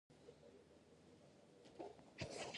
د غنمو وږی دانې لري